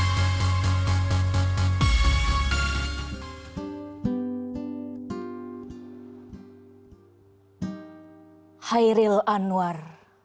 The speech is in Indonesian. hai hai ril anwar